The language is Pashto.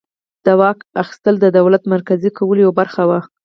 د واک اخیستل د دولت مرکزي کولو یوه برخه وه.